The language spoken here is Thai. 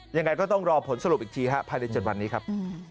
ยังไงก็ต้องรอผลสรุปอีกทีฮะภายใน๗วันนี้ครับ